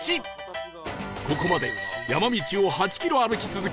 ここまで山道を８キロ歩き続け